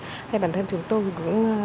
thế bản thân chúng tôi cũng